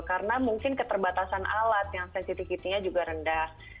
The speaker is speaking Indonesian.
karena mungkin keterbatasan alat yang sensitivity nya juga rendah